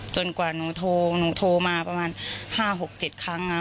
กว่าหนูโทรหนูโทรมาประมาณ๕๖๗ครั้ง